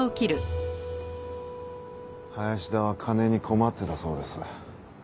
林田は金に困ってたそうです。